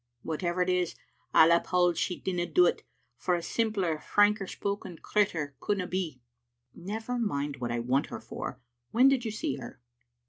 Whatever it is, I'll uphaud she didna do't, for a sim pler, franker spoken crittur conldna be." " Never mind what I want her for. When did you see her?"